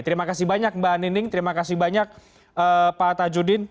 terima kasih banyak mbak nining terima kasih banyak pak tajudin